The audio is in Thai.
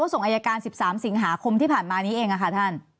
ส่งอายการ๑๓สิงหาคมที่ผ่านมานี้เองค่ะท่าน